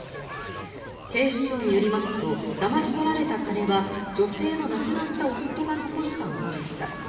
警視庁によりますとだまし取られた金は女性の亡くなった夫が残したものでした。